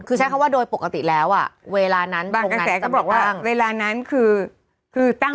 คือใช้คำว่าโดยปกติแล้วอ่ะเวลานั้นบางกระแสก็บอกว่าเวลานั้นคือคือตั้ง